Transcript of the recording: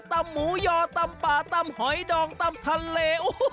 หมูยอตำป่าตำหอยดองตำทะเล